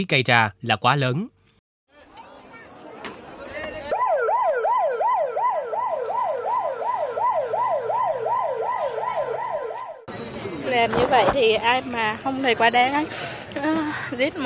chỉ lặng lẽ